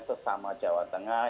sesama jawa tengah